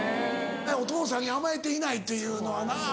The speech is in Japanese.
お父さんに甘えていないというのはな。